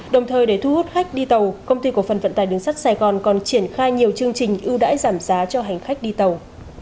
đồng thời để thu hút khách đi tàu công ty cổ phần vận tài đường sắt sài gòn còn triển khai nhiều chương trình ưu đãi giảm giá cho hành khách đi tàu